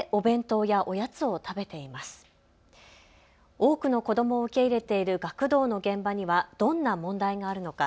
多くの子どもを受け入れている学童の現場にはどんな問題があるのか。